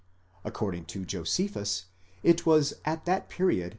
According to Josephus it was at that period.